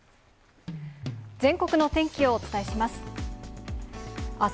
全国の天気をお伝えします。